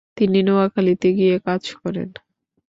তিনি নোয়াখালীতে গিয়ে কাজ করেন।